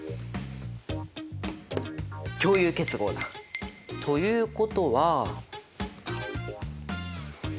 「共有結合」だ！ということは。